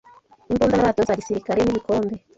imbunda na radiyo za gisirikari n’ibikombe